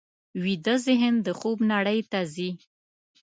ویده ذهن د خوب نړۍ ته ځي